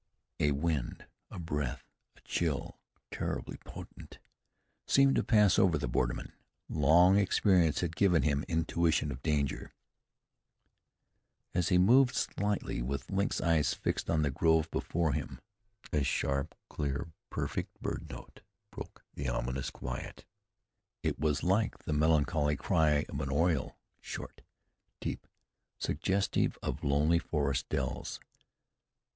A wind, a breath, a chill, terribly potent, seemed to pass over the borderman. Long experience had given him intuition of danger. As he moved slightly, with lynx eyes fixed on the grove before him, a sharp, clear, perfect bird note broke the ominous quiet. It was like the melancholy cry of an oriole, short, deep, suggestive of lonely forest dells.